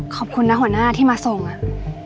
ขอบคุณนะหัวหน้าที่มาส่งอ่ะ